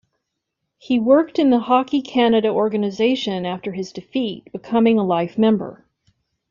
He worked in the Hockey Canada organization after his defeat, becoming a life member.